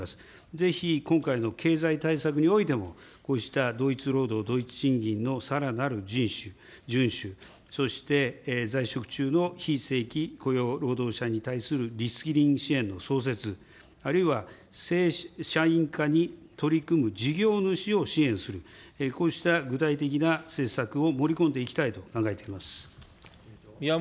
ぜひ今回の経済対策においても、こうした同一労働同一賃金のさらなる順守、そしてそして在職中の非正規雇用労働者に対するリスキリング支援の創設、あるいは正社員化に取り組む事業主を支援する、こうした具体的な政策を盛り込んでいきたいと考えております。